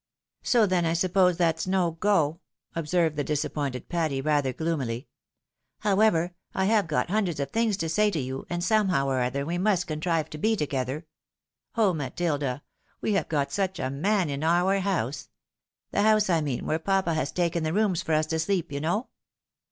" So then I suppose that's no go," observed the disappointed Patty, rather gloomily. " However, I have got hundreds of things to say to you, and somehow or other we must contrive to be together. Oh, Matilda ! we have got such a man in our house ! The house, I mean, where papa has taken the rooms for us to sleep, you know.